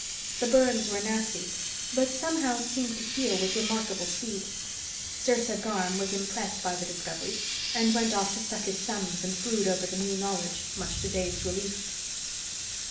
The burns were nasty, but somehow seemed to heal with remarkable speed. Sersa Garm was impressed by the discoveries, and went off to suck his thumbs and brood over the new knowledge, much to Dave's relief.